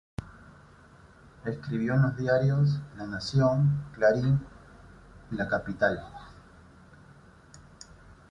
Escribió en los diarios, La Nación, Clarín y La Capital.